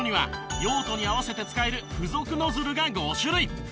用途に合わせて使える付属ノズルが５種類！